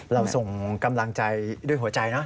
เราส่งกำลังใจด้วยหัวใจนะ